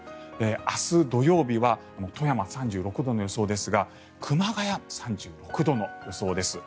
明日、土曜日は富山、３６度の予想ですが熊谷、３６度の予想です。